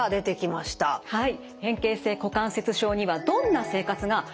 はい。